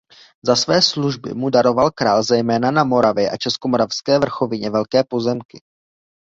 Za své služby mu daroval král zejména na Moravě a Českomoravské vrchovině velké pozemky.